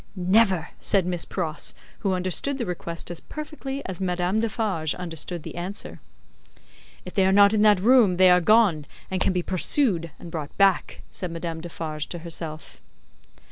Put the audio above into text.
"Never!" said Miss Pross, who understood the request as perfectly as Madame Defarge understood the answer. "If they are not in that room, they are gone, and can be pursued and brought back," said Madame Defarge to herself.